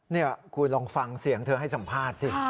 เนี่ยพูดลองฟังเสียงเธอให้สัมพาสสิ